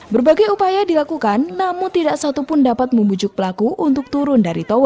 berbagai upaya dilakukan namun tidak satupun dapat membujuk pelaku untuk turun dari tower